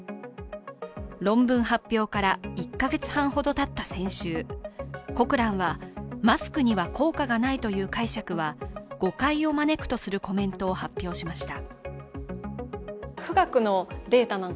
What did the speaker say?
論文発表から１か月半ほどたった先週、「コクラン」はマスクには効果がないという解釈には誤解を招くとするコメントを発表しました。